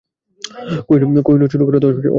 কোহিনূর চুরি করা তো অসম্ভব।